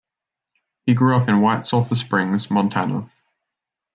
He grew up in White Sulphur Springs, Montana.